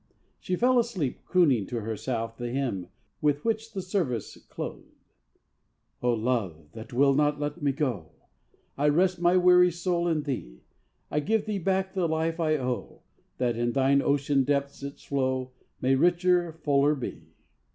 She fell asleep crooning to herself the hymn with which the service closed: O Love, that will not let me go, I rest my weary soul in Thee; I give Thee back the life I owe, That in Thine ocean depths its flow May richer, fuller be.